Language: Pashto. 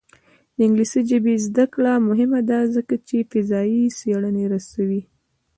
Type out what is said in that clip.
د انګلیسي ژبې زده کړه مهمه ده ځکه چې فضايي څېړنې رسوي.